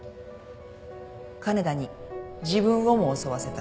金田に自分をも襲わせた。